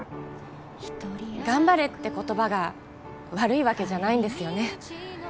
頑張れって言葉が悪いわけじゃないんですよね